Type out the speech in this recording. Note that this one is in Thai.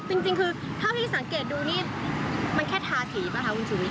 จริงจริงคือถ้าพี่สังเกตดูนี่มันแค่ทาสีป่ะฮะคุณชุมิ